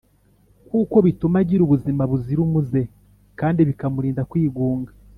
kuko bituma agira ubuzima buzira umuze kandi bikamurinda kwigunga.